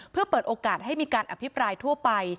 เพื่อเปิดโอกาสให้มีการอภิปรายทั่วไป